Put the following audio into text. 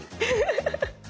フフフフ。